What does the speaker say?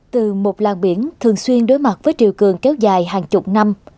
từ một làng biển thường xuyên đối mặt với triều cường kéo dài hàng chục năm